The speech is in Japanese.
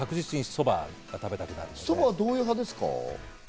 そばはどういう派ですか？